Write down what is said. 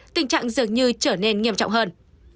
tình trạng dường như trở nên nghiêm trọng hơn